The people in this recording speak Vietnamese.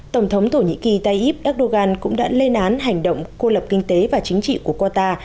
tổng thống thổ nhĩ kỳ tayyip erdogan cũng đã lên án hành động cô lập kinh tế và chính trị của qatar